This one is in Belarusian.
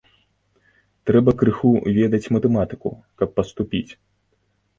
Трэба крыху ведаць матэматыку, каб паступіць.